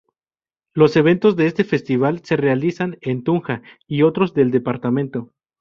Los eventos de este festival se realizan en Tunja y otros del departamento.